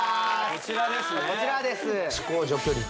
こちらです